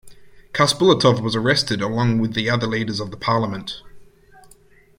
Khasbulatov was arrested along with the other leaders of the parliament.